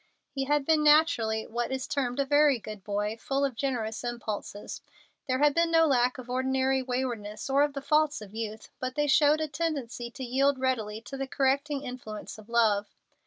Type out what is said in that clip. He had been naturally what is termed a very good boy, full of generous impulses. There had been no lack of ordinary waywardness or of the faults of youth, but they showed a tendency to yield readily to the correcting influence of love.